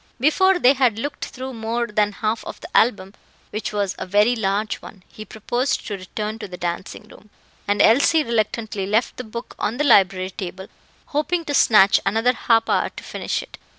Before they had looked through more than half of the album, which was a very large one, he proposed to return to the dancing room, and Elsie reluctantly left the book on the library table, hoping to snatch another half hour to finish it.